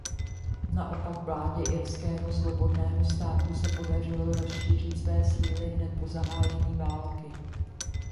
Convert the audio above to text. Naopak vládě Irského svobodného státu se podařilo rozšířit své síly hned po zahájení války.